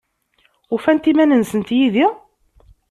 Ufant iman-nsent yid-i?